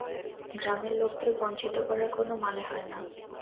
গ্রামের লোকদের বঞ্চিত করার কোনো মানে হয় না।